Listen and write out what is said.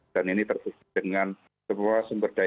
dan ini terkait dengan semua sumber daya